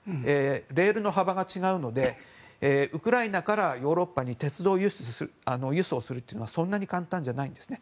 レールの幅が違うのでウクライナからヨーロッパに鉄道輸送するというのはそんなに簡単じゃないんですね。